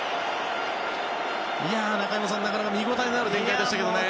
中山さん、なかなか見応えのある展開でしたけどね。